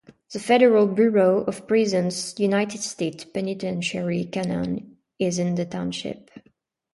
The Federal Bureau of Prisons United States Penitentiary, Canaan is in the township.